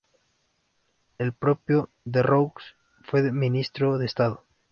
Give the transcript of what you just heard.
El propio Lerroux fue ministro de Estado.